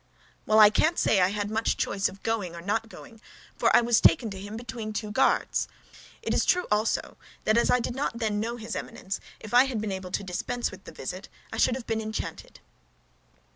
"Well, I can't say I had much choice of going or not going, for I was taken to him between two guards. It is true also, that as I did not then know his Eminence, if I had been able to dispense with the visit, I should have been enchanted."